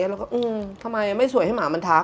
เราก็ทำไมไม่สวยให้หมามันทัก